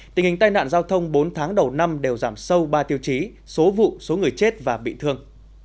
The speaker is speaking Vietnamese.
tình hình tai nạn giao thông bốn tháng đầu năm đều giảm sâu ba tiêu chí số vụ số người chết và bị thương